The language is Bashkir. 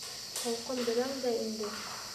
Холҡон беләң дә инде.